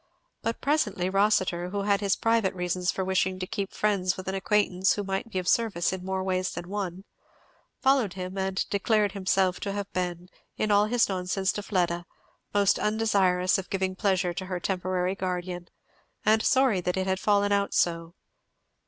But presently Rossitur, who had his private reasons for wishing to keep friends with an acquaintance who might be of service in more ways than one, followed him and declared himself to have been, in all his nonsense to Fleda, most undesirous of giving displeasure to her temporary guardian, and sorry that it had fallen out so.